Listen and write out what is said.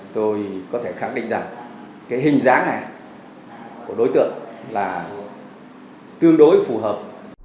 tôi có thể khẳng định rằng cái hình dáng này của đối tượng là tương đối phù hợp